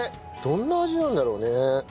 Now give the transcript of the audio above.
どんな味なんだろうね？